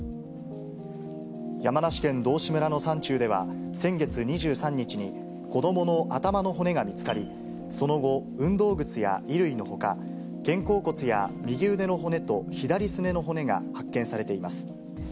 山梨県道志村の山中では、先月２３日に子どもの頭の骨が見つかり、その後、運動靴や衣類のほか、肩甲骨や右腕の骨と左すねの骨が発見されています。